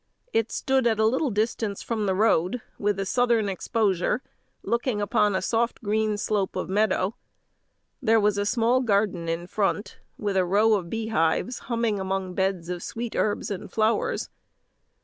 It stood at a little distance from the road, with a southern exposure, looking upon a soft green slope of meadow. There was a small garden in front, with a row of beehives humming among beds of sweet herbs and flowers.